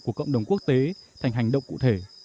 của cộng đồng quốc tế thành hành động cụ thể